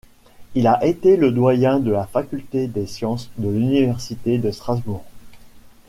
Il a été le Doyen de la Faculté des sciences de l'Université de Strasbourg.